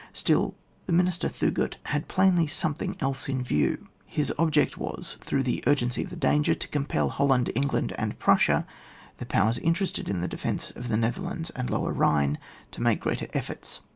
8tiU, the Minister Thug^t had plainly some thing else in view; his object was, through the urgency of the danger to compel Holland, England, and Prussia, the powers interested in the defence of the Netherlands and Lower Bhine, to make greater efforts.